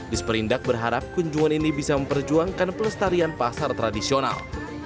disperindak berharap kunjungan ini bisa memperjuangkan pelestarian pasar tradisional